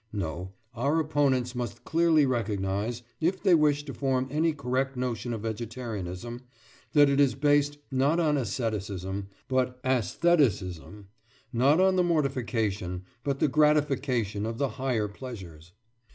No; our opponents must clearly recognise, if they wish to form any correct notion of vegetarianism, that it is based, not on asceticism, but æstheticism; not on the mortification, but the gratification of the higher pleasures.